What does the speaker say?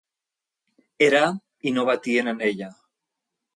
Era... i no batien en ella.